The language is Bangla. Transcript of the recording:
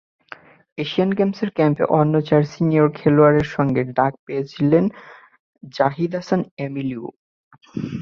এশিয়ান গেমসের ক্যাম্পে অন্য চার সিনিয়র খেলোয়াড়ের সঙ্গে ডাক পেয়েছিলেন জাহিদ হাসান এমিলিও।